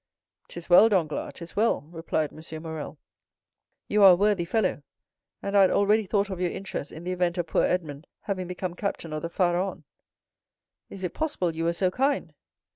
"'Tis well, Danglars—'tis well!" replied M. Morrel. "You are a worthy fellow; and I had already thought of your interests in the event of poor Edmond having become captain of the Pharaon." "Is it possible you were so kind?"